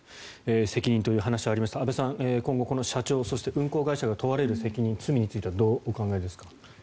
責任という話がありました阿部さん、今後この社長そして、運航会社が問われる責任、罪についてはどうお考えですか？